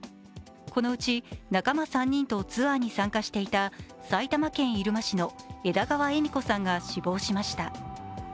このうち仲間３人とツアーに参加していた埼玉県入間市の枝川恵美子さんが死亡しました。